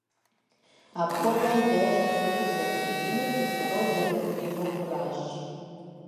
Апхуэдэм деж цӏыхур зэрылӏыкӏынур - кислород зэрыхуримыкъуращ.